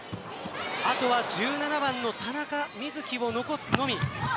あとは１７番の田中瑞稀を残すのみ。